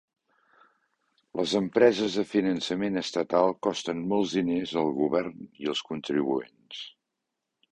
Les empreses de finançament estatal costen molts diners al govern i els contribuents.